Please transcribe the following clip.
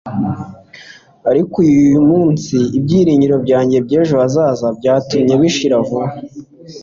ariko uyumunsi ibyiringiro byanjye by'ejo hazaza byatumye bishira vuba